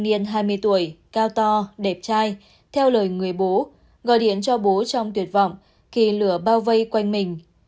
niên hai mươi tuổi cao to đẹp trai theo lời người bố gọi điện cho bố trong tuyệt vọng khi lửa bao vây quanh mình